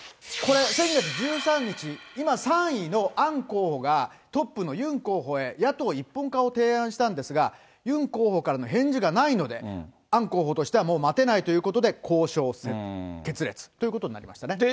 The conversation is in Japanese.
これ、先月１３日、今、３位のアン候補が、トップのユン候補へ、野党一本化を提案したんですが、ユン候補からの返事がないので、アン候補としては、もう待てないということで、交渉決裂ということになりましたね。